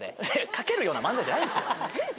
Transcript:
かけるような漫才じゃないんすよ。